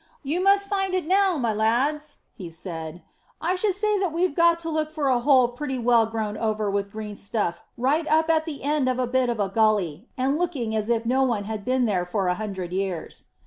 "You must find it now, my lads," he said. "I should say what you've got to look for is a hole pretty well grown over with green stuff right up at the end of a bit of a gully, and looking as if no one had been there for a hundred years."